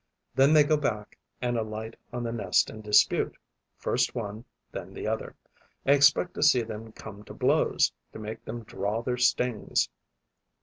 Then they go back and alight on the nest in dispute, first one, then the other. I expect to see them come to blows, to make them draw their stings.